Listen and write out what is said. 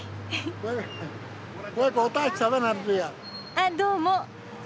あっどうも。